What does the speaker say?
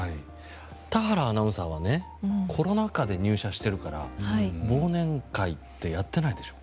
田原アナウンサーはコロナ禍で入社しているから忘年会ってやってないでしょ。